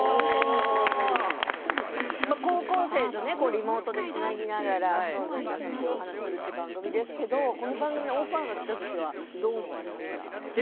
高校生とリモートでつなぎながら皆さんとお話をされている番組ですけれど番組のオファーがきたときはどう思いましたか？